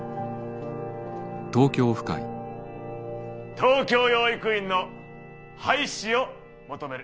東京養育院の廃止を求める！